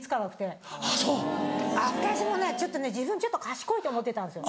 あぁそう！私もねちょっとね自分ちょっと賢いと思ってたんですよ。